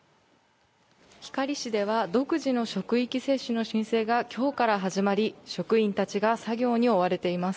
光市では独自の職域接種の申請がきょうから始まり職員たちが作業に追われています。